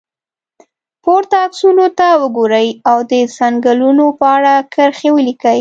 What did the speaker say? پورته عکسونو ته وګورئ او د څنګلونو په اړه کرښې ولیکئ.